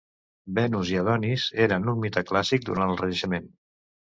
Venus i Adonis era un mite clàssic durant el Renaixement.